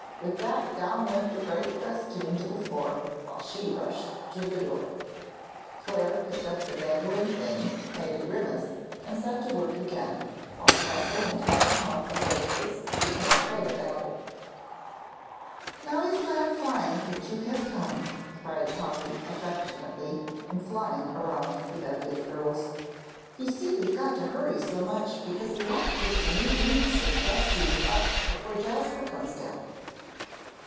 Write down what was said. With that down went the green festoon to the floor, while she rushed to the door. Clare picked up the dangling thing, made a grimace, and set to work again, while the bustle and happy hum of voices became quite a babel. "Now isn't that fine that you have come!" cried Polly, affectionately, and flying around the bevy of girls. "You see we've got to hurry so much because we want to get the new wreaths and festoons up before Jasper comes down."